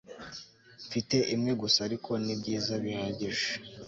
Mfite imwe gusa ariko nibyiza bihagije